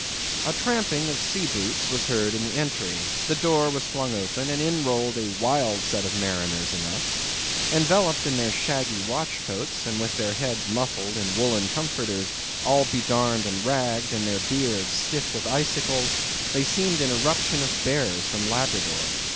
A tramping of sea boots was heard in the entry; the door was flung open, and in rolled a wild set of mariners enough. Enveloped in their shaggy watch coats, and with their heads muffled in woollen comforters, all bedarned and ragged, and their beards stiff with icicles, they seemed an eruption of bears from Labrador.